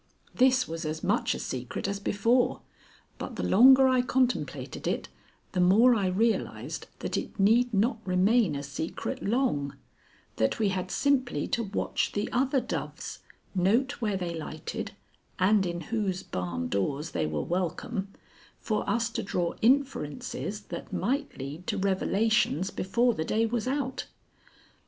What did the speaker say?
This was as much a secret as before, but the longer I contemplated it, the more I realized that it need not remain a secret long; that we had simply to watch the other doves, note where they lighted, and in whose barn doors they were welcome, for us to draw inferences that might lead to revelations before the day was out.